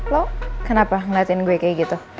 lo kenapa ngeliatin gue kayak gitu